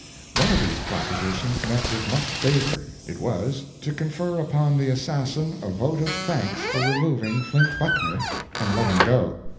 One of these propositions met with much favor; it was, to confer upon the assassin a vote of thanks for removing Flint Buckner, and let him go.